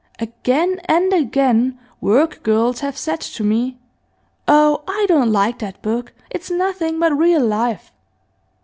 Again and again work girls have said to me: "Oh, I don't like that book; it's nothing but real life."